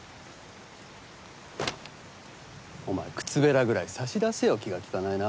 お前靴べらぐらい差し出せよ気が利かないな。